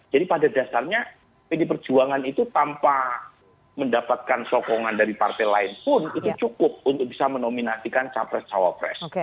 jadi pada dasarnya pdi perjuangan itu tanpa mendapatkan sokongan dari partai lain pun itu cukup untuk bisa menominasikan cawapres